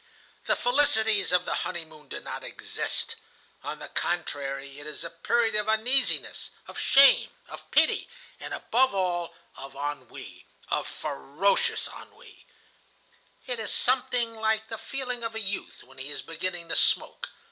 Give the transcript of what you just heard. "The felicities of the honeymoon do not exist. On the contrary, it is a period of uneasiness, of shame, of pity, and, above all, of ennui,—of ferocious ennui. It is something like the feeling of a youth when he is beginning to smoke.